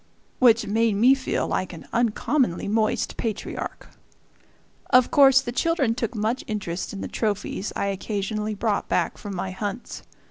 which made me feel like an uncommonly moist patriarch. Of course the children took much interest in the trophies I occasionally brought back from my hunts.